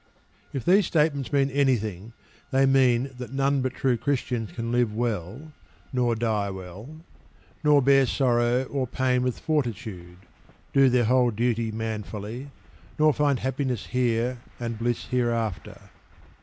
If these statements mean anything, they mean that none but true Christians can live well, nor die well, nor bear sorrow and pain with fortitude, do their whole duty manfully, nor find happiness here and bliss hereafter.